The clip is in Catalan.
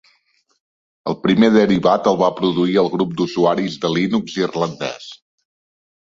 El primer derivat el va produir el grup d'usuaris de Linux irlandès.